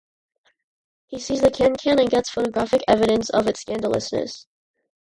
He sees the Can-Can and gets photographic evidence of its scandalousness.